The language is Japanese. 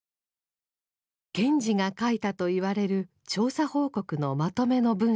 賢治が書いたといわれる調査報告のまとめの文章。